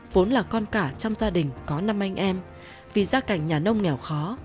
vốn là con cả trong gia đình có năm anh em vì gia cảnh nhà nông nghèo khó